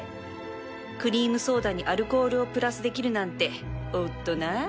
クリームソーダにアルコールをプラスできるなんておっとな